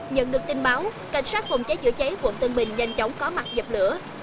nhận được tin báo cảnh sát phòng cháy chữa cháy quận tân bình nhanh chóng có mặt dập lửa